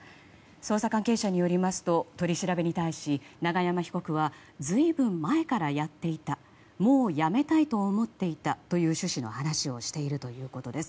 捜査関係者によりますと取り調べに対し永山被告は随分前からやっていたもうやめたいと思っていたという趣旨の話をしているということです。